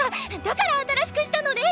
だから新しくしたのね